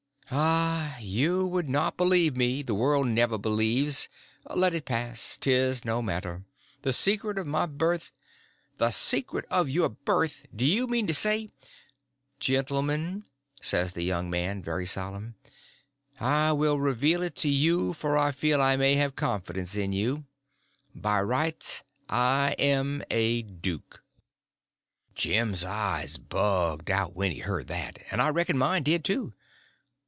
"Ah, you would not believe me; the world never believes—let it pass—'tis no matter. The secret of my birth—" "The secret of your birth! Do you mean to say—" "Gentlemen," says the young man, very solemn, "I will reveal it to you, for I feel I may have confidence in you. By rights I am a duke!" Jim's eyes bugged out when he heard that; and I reckon mine did, too.